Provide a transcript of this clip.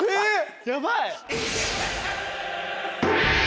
やばい！